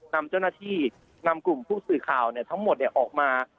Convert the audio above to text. นำเจ้าหน้าที่นำกลุ่มผู้สื่อข่าวทั้งหมดออกมา